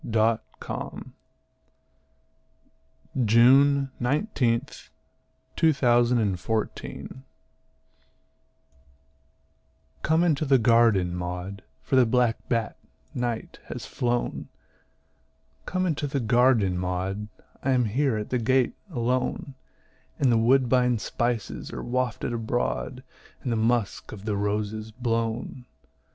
Alfred, Lord Tennyson Come Into the Garden, Maud COME into the garden, Maud, For the black bat, Night, has flown, Come into the garden, Maud, I am here at the gate alone; And the woodbine spices are wafted abroad, And the musk of the roses blown.